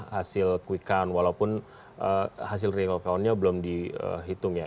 hasil quick count walaupun hasil rekabnya belum dihitung ya